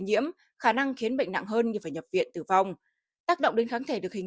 nhiễm khả năng khiến bệnh nặng hơn như phải nhập viện tử vong tác động đến kháng thể được hình